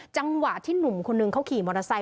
จังหวะที่หนุ่มคนนึงเขาขี่มอเตอร์ไซค